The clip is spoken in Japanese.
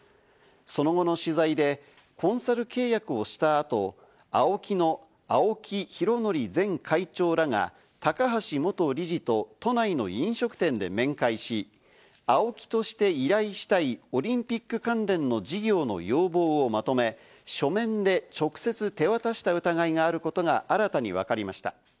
その後の取材でコンサル契約をした後、ＡＯＫＩの青木拡憲前会長らが高橋元理事と都内の飲食店で面会し、ＡＯＫＩとして依頼したい、オリンピック関連の事業の要望をまとめ、書面で直接手渡した疑いがあることが新たに分かりました。